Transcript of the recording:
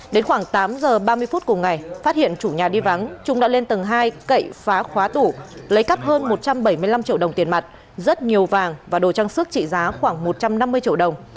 đến khoảng tám giờ ba mươi phút cùng ngày phát hiện chủ nhà đi vắng chúng đã lên tầng hai cậy phá khóa tủ lấy cắt hơn một trăm bảy mươi năm triệu đồng tiền mặt rất nhiều vàng và đồ trang sức trị giá khoảng một trăm năm mươi triệu đồng